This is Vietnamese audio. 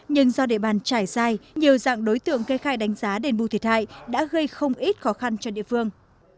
nhưng do địa bàn trải dài nhiều dạng đối tượng kê khai đánh giá đền bù thiệt hại đã gây không ít khó khăn cho địa phương